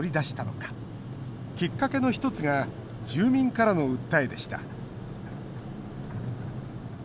きっかけの１つが住民からの訴えでした。